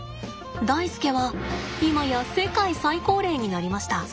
ダイスケは今や世界最高齢になりました。